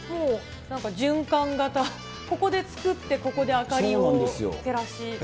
なんか循環型、ここで作ってここで明かりを照らし。